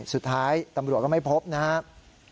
สุดท้ายตำรวจก็ไม่พบนะครับ